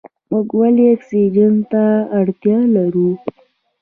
موږ ولې اکسیجن ته اړتیا لرو؟